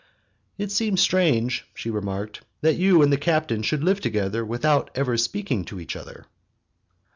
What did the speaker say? "It seems strange," she remarked, "that you and the captain should live together without ever speaking to each other."